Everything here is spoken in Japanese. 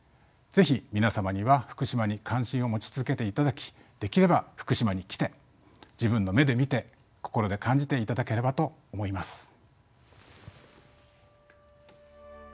是非皆様には福島に関心を持ち続けていただきできれば福島に来て自分の目で見て心で感じていただければと思います。